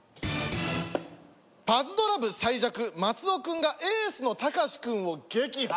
パズドラ部最弱松尾君がエースのたかし君を撃破。